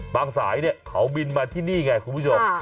สายเนี่ยเขาบินมาที่นี่ไงคุณผู้ชม